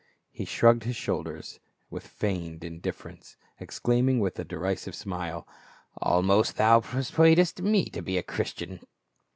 He shrugged his shoulders with feigned indifference, exclaiming with a derisive smile, "Almost thou persuadest me to be a Christian